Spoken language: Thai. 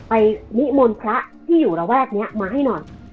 นิมนต์พระที่อยู่ระแวกนี้มาให้หน่อย